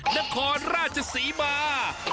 นักคอราชสีบันดี